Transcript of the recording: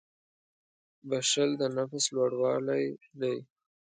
• بښل د نفس لوړوالی دی.